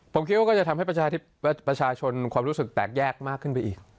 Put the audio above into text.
ผมคิดว่าก็จะทำให้ประชาชนความรู้สึกแตกแยกมากขึ้นไปอีก